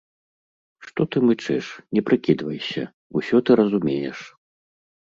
Што ты мычыш, не прыкідвайся, усё ты разумееш.